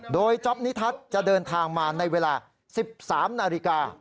โดยจ๊อปนิทัศน์จะเดินทางมาในเวลา๑๓นาฬิกา